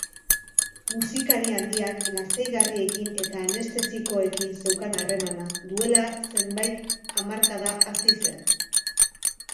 Musikari handiak lasaigarriekin eta anestesikoekin zeukan harremana duela zenbait hamarkada hasi zen.